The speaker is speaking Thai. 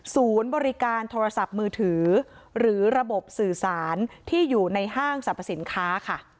ศูนย์บริการโทรศัพท์มือถือหรือระบบสื่อสารที่อยู่ในห้างสรรพสินค้าค่ะ